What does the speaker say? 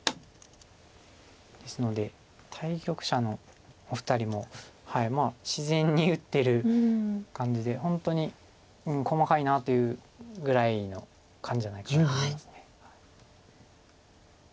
ですので対局者のお二人も自然に打ってる感じで本当に細かいなというぐらいの感じじゃないかなと思います。